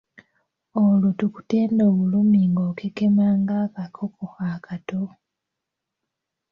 Olwo tukutende obulumi ng'okekema ng'akakoko akato.